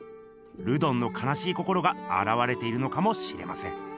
ルドンのかなしい心があらわれているのかもしれません。